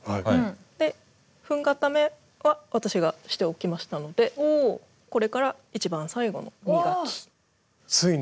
で粉固めは私がしておきましたのでこれから一番最後の磨き。